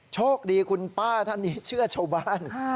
โชคดีคุณป้าท่านนี้เชื่อชาวบ้าน